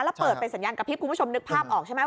แล้วเปิดเป็นสัญญาณกระพริบคุณผู้ชมนึกภาพออกใช่ไหม